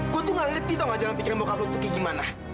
gw tuh ngegeti tau gak jalan pikiran bokap lu tuh kaya gimana